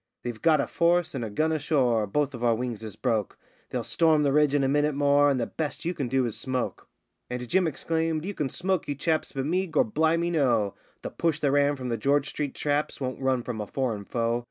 They've got a force and a gun ashore, both of our wings is broke; They'll storm the ridge in a minute more, and the best you can do is smoke.' And Jim exclaimed: 'You can smoke, you chaps, but me Gor' bli' me, no! The push that ran from the George street traps won't run from a foreign foe.